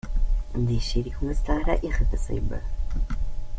Die Schädigung ist leider irreversibel.